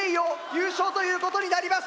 優勝ということになります。